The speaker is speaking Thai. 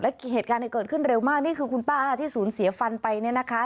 เหตุการณ์ที่เกิดขึ้นเร็วมากนี่คือคุณป้าที่สูญเสียฟันไปเนี่ยนะคะ